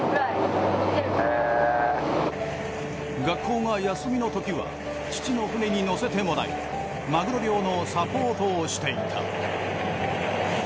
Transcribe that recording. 学校が休みのときは父の船に乗せてもらいマグロ漁のサポートをしていた。